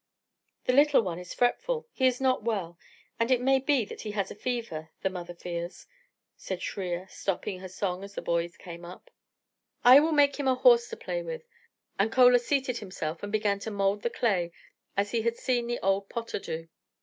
"The little one is fretful. He is not well; and it may be that he has a fever, the mother fears," said Shriya, stopping her song as the boys came up. "I will make him a horse to play with," and Chola seated himself and began to mould the clay as he had seen the old potter do.